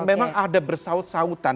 memang ada bersaut sautan